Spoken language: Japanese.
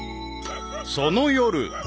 ［その夜］